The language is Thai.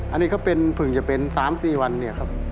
อันนี้ก็เป็นผึงจะเป็น๓๔วันครับ